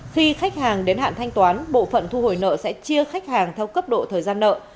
khi khách hàng đến hạn thanh toán bộ phận thu hồi nợ sẽ chia khách hàng theo cấp độ thời gian nợ